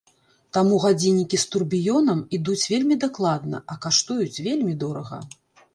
Таму гадзіннікі з турбіёнам ідуць вельмі дакладна, а каштуюць вельмі дорага.